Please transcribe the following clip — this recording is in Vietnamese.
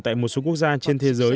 tại một số quốc gia trên thế giới